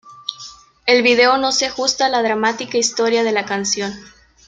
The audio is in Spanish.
El vídeo no se ajusta a la dramática historia de la canción.